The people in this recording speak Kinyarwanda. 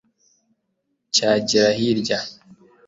cyagera hirya